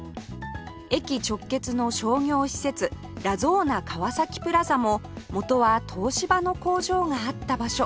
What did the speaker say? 駅直結の商業施設ラゾーナ川崎プラザも元は東芝の工場があった場所